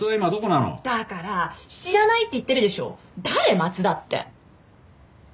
松田って。